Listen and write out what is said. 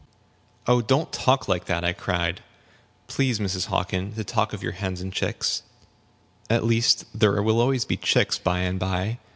"Oh, don't talk like that," I cried. "Please, Mrs. Hockin, to talk of your hens and chicks at least there will be chicks by and by.